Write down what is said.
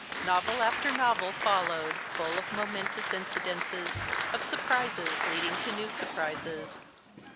Novel after novel followed, full of momentous incidents, of surprises leading to new surprises.